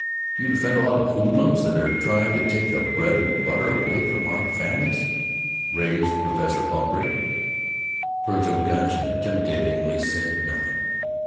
"Do you defend a lot of hoodlums that are trying to take the bread and butter away from our families?" raged Professor Pumphrey. Vergil Gunch intimidatingly said nothing.